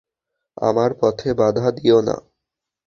আমার পথে বাধা দিয়ো না।